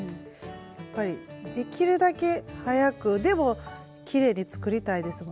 やっぱりできるだけ早くでもきれいに作りたいですもんね。